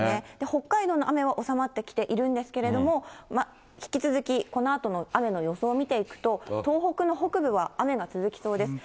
北海道の雨は収まってきているんですけれども、引き続きこのあとも雨の予想を見ていくと、東北の北部は雨が続きそうです。